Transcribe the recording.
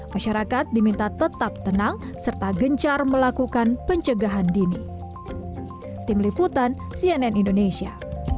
masyarakat diminta tetap tenang serta gencar melakukan pencegahan dini tim liputan cnn indonesia